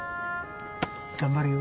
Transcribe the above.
頑張れよ！